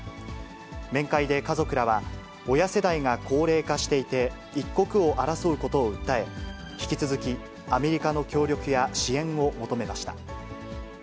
面会で家族らは、親世代が高齢化していて、一刻を争うことを訴え、引き続きアメリカの協力や支援を求めました。